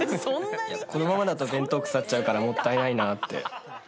このままだと弁当腐っちゃうからもったいないなって。